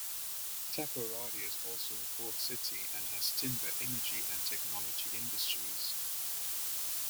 Takoradi is also a port city and has timber, energy, and technology industries.